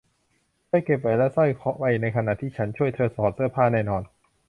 เธอเก็บแหวนและสร้อยไปในขณะที่ฉันช่วยเธอถอดเสื้อผ้าแน่นอน